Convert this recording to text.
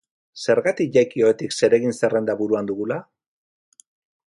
Zergatik jaiki ohetik zeregin zerrenda buruan dugula?